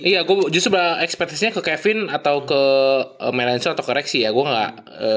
iya gue justru ekspertisnya ke kevin atau ke meylensun atau ke rexy ya gue nggak